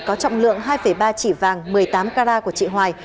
có trọng lượng hai ba chỉ vàng một mươi tám carat của chị hoài